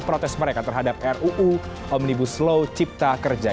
protes mereka terhadap ruu omnibus law cipta kerja